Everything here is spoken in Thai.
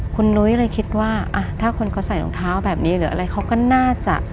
คุณนุ้ยเลยคิดว่าถ้าคนเขาใส่รองเท้าแบบนี้หรืออะไรเขาก็น่าจะ